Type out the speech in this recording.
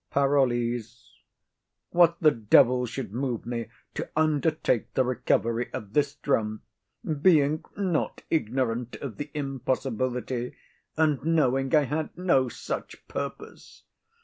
PAROLLES. What the devil should move me to undertake the recovery of this drum, being not ignorant of the impossibility, and knowing I had no such purpose?